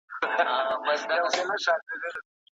چي غویی له حیوانانو را ګوښه سو